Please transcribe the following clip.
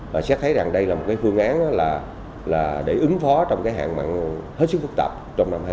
và xét thấy rằng đây là một phương án để ứng phó trong hàng mạng hết sức phức tạp trong năm hai nghìn một mươi chín hai nghìn hai mươi